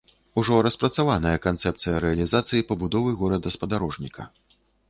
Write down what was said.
Ужо распрацаваная канцэпцыя рэалізацыі пабудовы горада-спадарожніка.